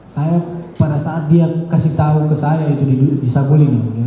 saya pada saat dia kasih tau ke saya itu di sabul ini mulia